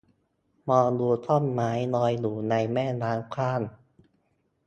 มองดูท่อนไม้ลอยอยู่ในแม่น้ำกว้าง